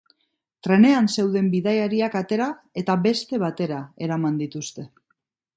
Trenean zeuden bidaiariak atera eta beste batera eraman dituzte.